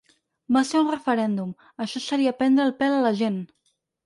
Va ser un referèndum, això seria prendre el pèl a la gent.